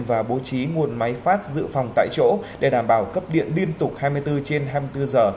và bố trí nguồn máy phát dự phòng tại chỗ để đảm bảo cấp điện liên tục hai mươi bốn trên hai mươi bốn giờ